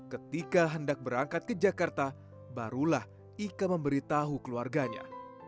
ketika hendak berangkat ke jakarta barulah ika memberitahu keluarganya